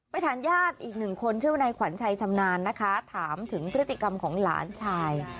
ถามญาติอีกหนึ่งคนชื่อวนายขวัญชัยชำนาญนะคะถามถึงพฤติกรรมของหลานชาย